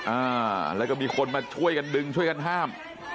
อ่าแล้วก็มีคนมาช่วยกันดึงช่วยกันห้าม